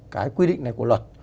cái quy định này của luật